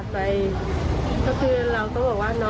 พนักงานในร้าน